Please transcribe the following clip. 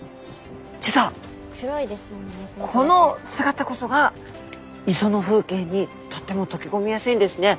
実はこの姿こそが磯の風景にとってもとけこみやすいんですね。